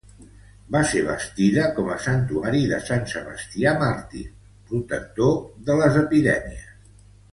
Va ser bastida com a santuari de sant Sebastià màrtir, protector de les epidèmies.